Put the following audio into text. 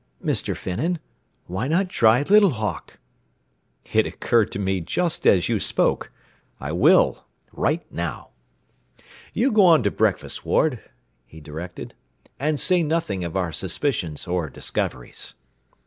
"Mr. Finnan, why not try Little Hawk?" "It occurred to me just as you spoke. I will. Right now. "You go on in to breakfast, Ward," he directed. "And say nothing of our suspicions or discoveries."